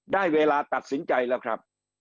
ได้เวลาตัดสินใจแล้วครับ